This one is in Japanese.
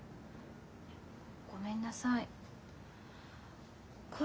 ごめんなさい。